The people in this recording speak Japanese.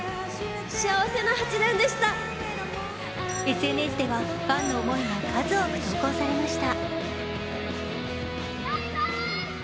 ＳＮＳではファンの思いが数多く投稿されました。